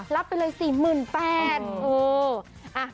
รับไปเลย๔๘๐๐บาท